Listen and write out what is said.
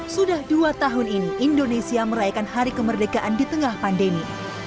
sudah dua tahun ini indonesia merayakan hari kemerdekaan di tengah pandemi